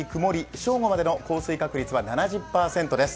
正午までの降水確率は７０％です。